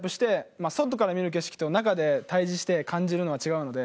まあ外から見る景色と中で対じして感じるのは違うので。